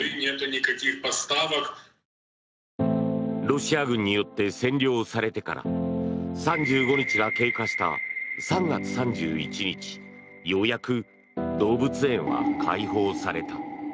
ロシア軍によって占領されてから３５日が経過した３月３１日にようやく動物園は解放された。